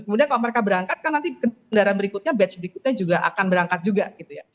kemudian kalau mereka berangkat kan nanti kendaraan berikutnya batch berikutnya juga akan berangkat juga gitu ya